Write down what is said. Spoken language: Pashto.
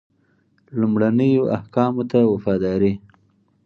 لومړنیو احکامو ته وفاداري.